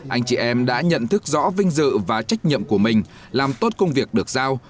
anh chị em đã nhận thức rõ vinh dự và trách nhiệm của mình làm tốt công việc được giao